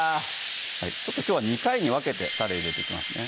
きょうは２回に分けてたれ入れていきますね